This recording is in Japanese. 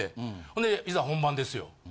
ほんでいざ本番ですよ。